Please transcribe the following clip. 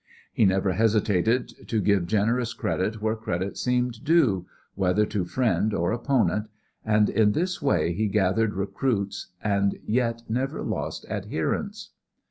He never hesitated to give generous credit where credit seemed due, whether to friend or opponent, and in this way he gathered recruits and yet never lost adherents.